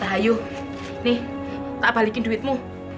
ayu nih tak balikin duitmu